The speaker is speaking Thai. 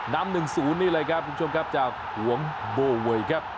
น้ำหนึ่งศูนนี้เลยครับคุณผู้ชมครับจากห่วงโบเวย์ครับ